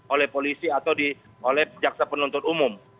oleh polisi atau oleh jaksa penuntut umum